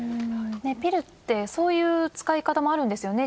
ピルってそういう使い方もあるんですよね